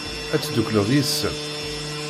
Ad teddukleḍ yid-sen?